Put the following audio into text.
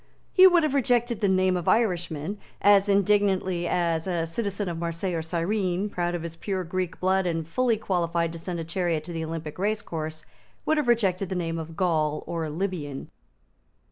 He would have rejected the name of Irishman as indignantly as a citizen of Marseilles or Cyrene, proud of his pure Greek blood, and fully qualified to send a chariot to the Olympic race course, would have rejected the name of Gaul or Libyan.